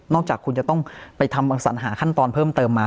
จากคุณจะต้องไปทำสัญหาขั้นตอนเพิ่มเติมมา